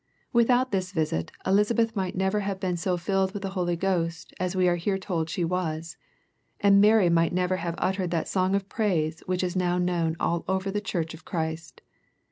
Without this visit, Elisabeth might never have been so filled with the Holy Ghost, as we are here told she was ; and Mary might never have uttered that song of praise which is now known all over the Church of Christ.